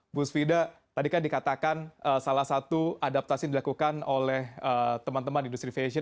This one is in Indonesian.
bu svida tadi kan dikatakan salah satu adaptasi yang dilakukan oleh teman teman industri fashion